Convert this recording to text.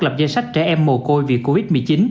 lập danh sách trẻ em mồ côi vì covid một mươi chín